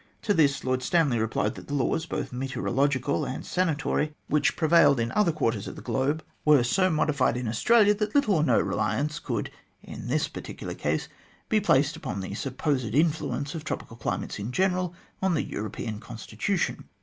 To this Lord Stanley replied that the laws, both meteorological and sanatory, which prevailed in other quarters of the globe were 16 THE GLADSTONE COLONY so modified in Australia that little or no reliance could, in this particular case, be placed on the supposed influence of tropical climates in general on the European constitution.